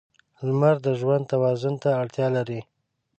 • لمر د ژوند توازن ته اړتیا لري.